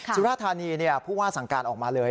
สุราธานีผู้ว่าสั่งการออกมาเลย